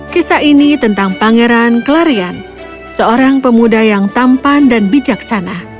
kisah ini tentang pangeran clarian seorang pemuda yang tampan dan bijaksana